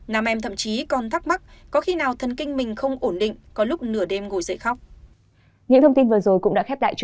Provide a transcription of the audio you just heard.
nam em thậm chí còn thắc mắc có khi nào thần kinh mình không ổn định có lúc nửa đêm ngồi dậy khóc